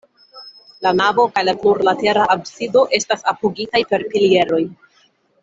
La navo kaj la plurlatera absido estas apogitaj per pilieroj.